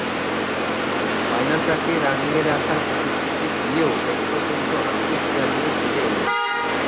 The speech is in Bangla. ফাইনালটাকে রাঙিয়ে রাখার প্রতিশ্রুতি দিয়েও শেষ পর্যন্ত আক্ষেপ জাগিয়ে ফিরে এলেন।